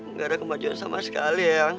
nggak ada kemajuan sama sekali ya